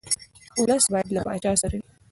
ولس باید له پاچا سره وي.